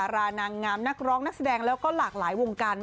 ยังสวยขนาดนี้